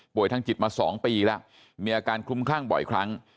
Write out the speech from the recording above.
ป่วยทางจิตมาสองปีละมีอาการคลุ่มครั่งบ่อยครั้ง